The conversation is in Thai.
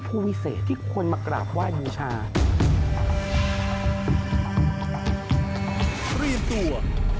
ผู้วิเศษที่ควรมากราบว่าอยู่ชารีมตัว